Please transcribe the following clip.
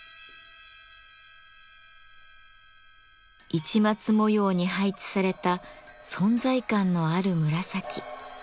市松模様に配置された存在感のある紫。